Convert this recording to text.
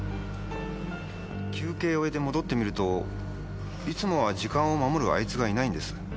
休憩を終えて戻ってみるといつもは時間を守るあいつがいないんです。